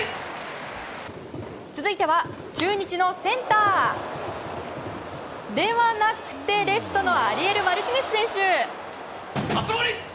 続いては中日のセンターではなくてレフトのアリエル・マルティネス選手。